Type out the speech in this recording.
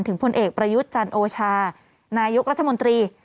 พลเอกประยุทธ์จันโอชานายกรัฐมนตรี